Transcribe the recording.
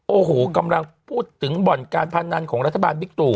โอ้โหกำลังพูดถึงบ่อนการพนันของรัฐบาลบิ๊กตู่